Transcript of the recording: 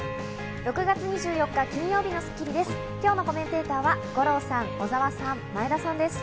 ６月２４日、金曜日の『スッキリ』です。